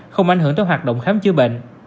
không ảnh hưởng tới hoạt động khám chữa bệnh